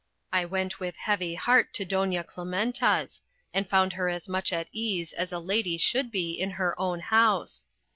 I went with a heavy heart to Doña Clementa's, and found her as much at ease as a lady should be in her own house.